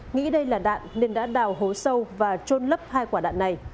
nghĩ đây là đạn nên đã đào hố sâu và trôn lấp hai quả đạn này